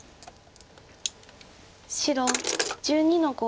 白１２の五。